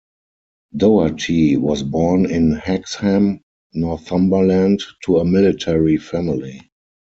Doherty was born in Hexham, Northumberland, to a military family.